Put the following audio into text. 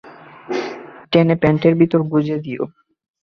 টেনে প্যান্টের ভিতরে গুজে দিও।